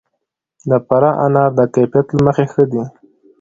د فراه انار د کیفیت له مخې ښه دي.